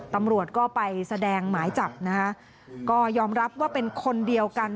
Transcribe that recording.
ตำรวจก็ไปแสดงหมายจับนะคะก็ยอมรับว่าเป็นคนเดียวกัน